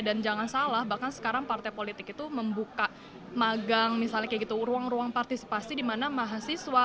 dan jangan salah bahkan sekarang partai politik itu membuka magang misalnya kayak gitu ruang ruang partisipasi di mana mahasiswa